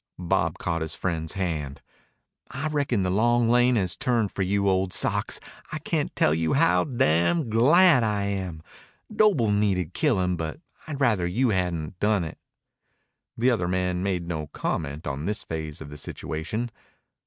Bob caught his friend's hand. "I reckon the long lane has turned for you, old socks. I can't tell you how damn glad I am. Doble needed killin', but I'd rather you hadn't done it." The other man made no comment on this phase of the situation.